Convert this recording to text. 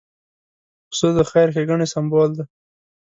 پسه د خیر ښېګڼې سمبول دی.